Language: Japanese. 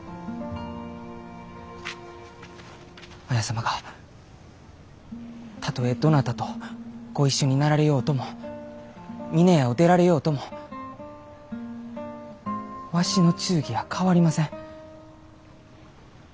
綾様がたとえどなたとご一緒になられようとも峰屋を出られようともわしの忠義は変わりません。